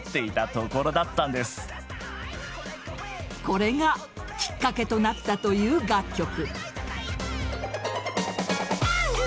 これがきっかけとなったという楽曲。